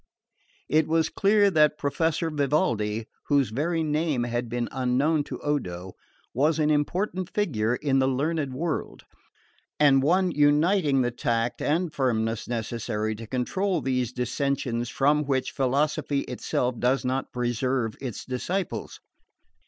It was clear that Professor Vivaldi, whose very name had been unknown to Odo, was an important figure in the learned world, and one uniting the tact and firmness necessary to control those dissensions from which philosophy itself does not preserve its disciples.